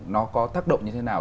nó có tác động như thế nào